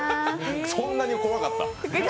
そんなに怖かった？